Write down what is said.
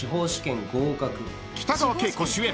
［北川景子主演